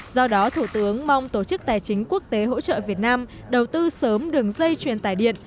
do đó thủ tướng mong tổ chức tài chính quốc tế hỗ trợ việt nam đầu tư sớm đường dây truyền tải điện